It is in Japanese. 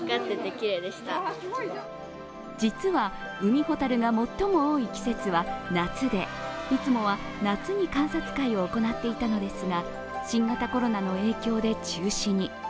実はウミホタルが最も多い季節は夏で、いつもは夏に観察会を行っていたのですが新型コロナの影響で中止に。